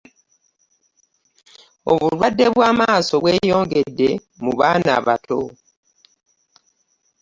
Obulwadde bw'amaaso bweyongedde mubaaba abato.